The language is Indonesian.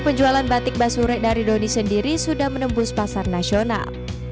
penjualan batik basure dari dodi sendiri sudah menembus pasar nasional